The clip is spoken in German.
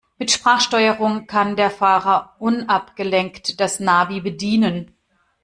Mit Sprachsteuerung kann der Fahrer unabgelenkt das Navi bedienen.